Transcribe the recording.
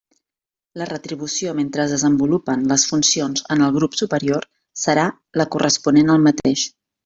La retribució mentre es desenvolupen les funcions en el grup superior serà la corresponent al mateix.